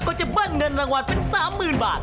จะเบิ้ลเงินรางวัลเป็น๓๐๐๐บาท